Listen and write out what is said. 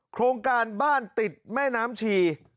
โครงการบ้านติดแม่น้ำชี